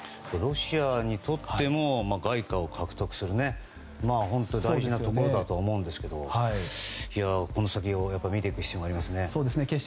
ロシアにとっても外貨を獲得する本当に大事なところだとは思うんですけれどもこの先見ていく必要がありますね。